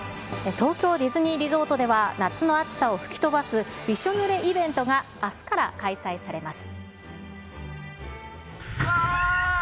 東京ディズニーリゾートでは、夏の暑さを吹き飛ばす、びしょ濡れイベントがあすから開催されます。